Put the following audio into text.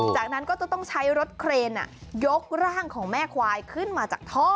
จากนั้นก็จะต้องใช้รถเครนยกร่างของแม่ควายขึ้นมาจากท่อ